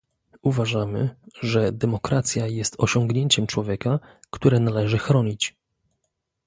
Uważamy, że demokracja jest osiągnięciem człowieka, które należy chronić